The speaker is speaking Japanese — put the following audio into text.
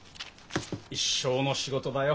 一生の仕事だよ。